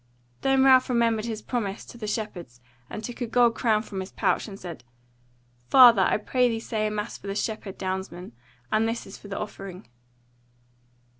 Then Ralph remembered his promise to the shepherds and took a gold crown from his pouch, and said: "Father, I pray thee say a mass for the shepherd downsmen; and this is for the offering."